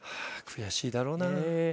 悔しいだろうな。